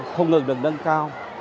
không ngừng được nâng cao